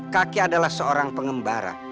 kakek adalah seorang pengembara